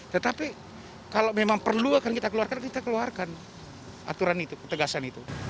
tetapi kalau memang perlu akan kita keluarkan kita keluarkan aturan itu ketegasan itu